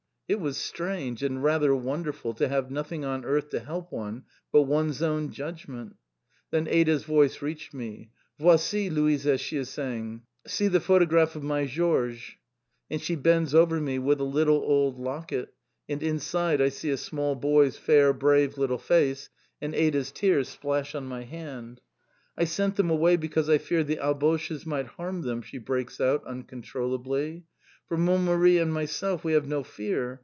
It was strange, and rather wonderful, to have nothing on earth to help one but one's own judgment. Then Ada's voice reached me. "Voici, Louisa!" she is saying. "Voici le photographie de mon Georges." And she bends over me with a little old locket, and inside I see a small boy's fair, brave little face, and Ada's tears splash on my hand.... "I sent them away because I feared the Alboches might harm them," she breaks out, uncontrollably. "For mon Mari and myself, we have no fear!